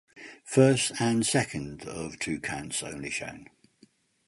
First and second of two counts only shown.